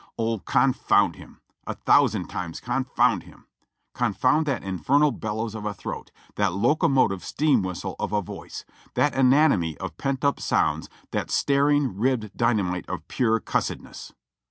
Oh, confound him! A thousand times confound him! Con found that infernal bellows of a throat, that locomotive steam whistle of a voice, that anatomy of pent up sounds, that staring ribbed dynamite of pure cussedness!''